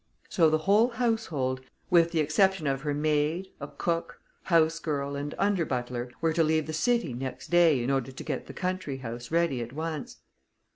So the whole household, with the exception of her maid, a cook, house girl, and under butler, were to leave the city next day in order to get the country house ready at once.